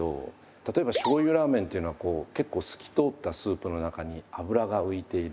例えばしょうゆラーメンというのは結構透き通ったスープの中に脂が浮いている。